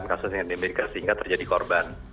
kasus yang di amerika sehingga terjadi korban